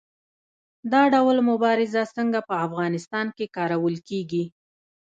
دا ډول مبارزه څنګه په افغانستان کې کارول کیږي؟